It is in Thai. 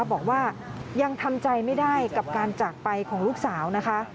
บอกว่ายังทำใจไม่ได้กับการจากไปของลูกสาวนะคะ